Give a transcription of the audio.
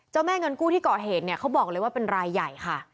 แม่เงินกู้ที่ก่อเหตุเนี่ยเขาบอกเลยว่าเป็นรายใหญ่ค่ะ